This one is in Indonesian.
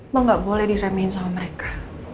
lo gak boleh diremyen sama mereka